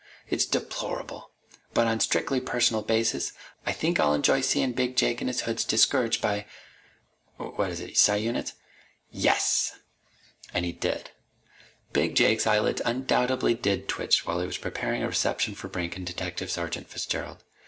It's deplorable! But on a strictly personal basis I think I'll enjoy seein' Big Jake an' his hoods discouraged by ... what is it Psi units? Yes!" And he did. Big Jake's eyelids undoubtedly did twitch while he was preparing a reception for Brink and Detective Sergeant Fitzgerald.